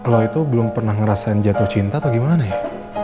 kalau itu belum pernah ngerasain jatuh cinta atau gimana ya